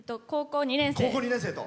高校２年生。